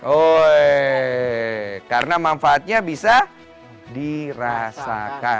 oh karena manfaatnya bisa dirasakan